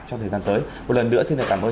trong thời gian tới một lần nữa xin được cảm ơn